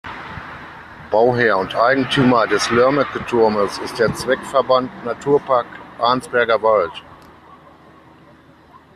Bauherr und Eigentümer des Lörmecke-Turmes ist der Zweckverband Naturpark Arnsberger Wald.